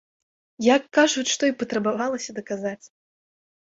Як кажуць, што і патрабавалася даказаць!